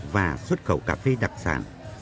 và xuất khẩu cà phê đặc sản